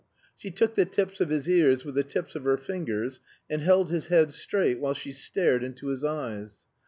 She took the tips of his ears with the tips of her fingers and held his head straight while she stared into his eyes.